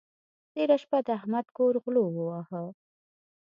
تېره شپه د احمد کور غلو وواهه.